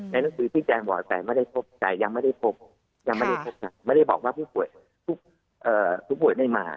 ในหนังสือที่แจ้งบอกแต่ไม่ได้พบแต่ยังไม่ได้พบไม่ได้บอกว่าผู้ป่วยได้มา